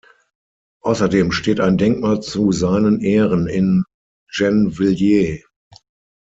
Außerdem steht ein Denkmal zu seinen Ehren in Gennevilliers.